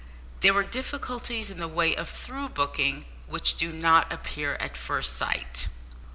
There were difficulties in the way of through booking which do not appear at first sight.